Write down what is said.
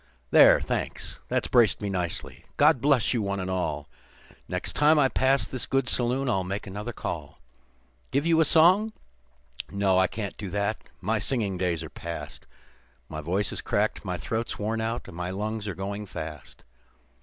"There, thanks, that's braced me nicely; God bless you one and all; Next time I pass this good saloon I'll make another call. Give you a song? No, I can't do that; my singing days are past; My voice is cracked, my throat's worn out, and my lungs are going fast.